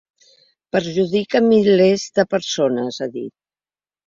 Perjudica milers de persones, ha dit.